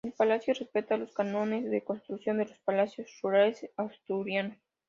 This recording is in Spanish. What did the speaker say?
El palacio respeta los cánones de construcción de los palacios rurales asturianos.